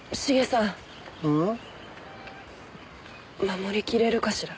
守りきれるかしら？